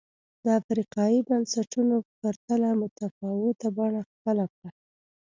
د افریقايي بنسټونو په پرتله متفاوته بڼه خپله کړه.